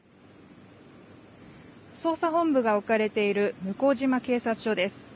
捜査本部が置かれている向島警察署です。